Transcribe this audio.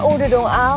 eh udah dong al